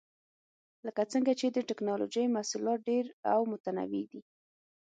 لکه څنګه چې د ټېکنالوجۍ محصولات ډېر او متنوع دي.